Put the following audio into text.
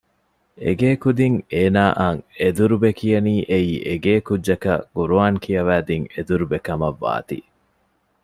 އެގޭ ކުދިން އޭނާއަށް އެދުރުބެ ކިޔަނީ އެއީ އެގޭ ކުއްޖަކަށް ޤުރްއާން ކިޔަވައިދިން އެދުރުބެ ކަމަށް ވާތީ